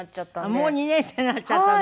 もう２年生になっちゃったの？